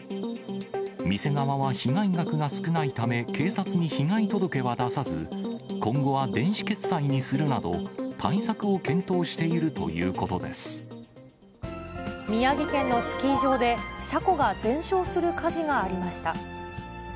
店側は被害額が少ないため、警察に被害届は出さず、今後は電子決済にするなど、対策を検討しているということで宮城県のスキー場で、車庫が全焼する火事がありました。